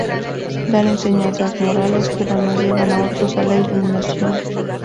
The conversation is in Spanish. Dan enseñanzas morales, pero no llevan a otros a la iluminación.